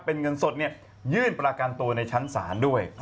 เป็นเงินสดยื่นประกันตัวในชั้นศาลด้วย